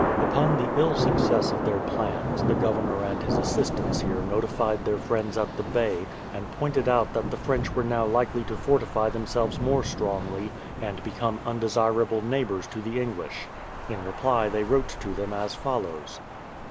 Upon the ill success of their plans, the Goyernpr and bis THE PLYMOUTH SETTLEMENT 269 assistants here notified their friends at the Bay, and pointed out that the French were now hkely to fortify themselves more strongly, and become undesirable neighbours to the English. In reply they wrote to them as follows.